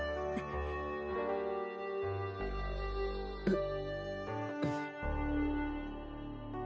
えっ？